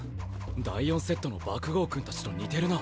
第４セットの爆豪くん達と似てるな。